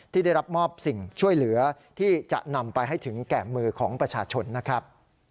ที่ได้รับมอบสิ่งช่วยเหลือที่จะนำไปให้ถึงแก่มือของประชาชนนะครับ